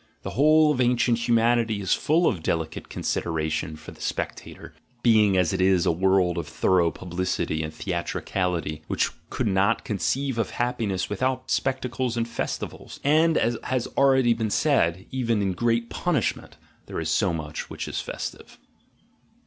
The whole of ancient humanity is full of delicate consideration for the spectator, being as it is a world of thorough pub licity and theatricality, which could not conceive of happi ness without spectacles and festivals. — And, as has already been said, even in great punishment there is so much which is festive.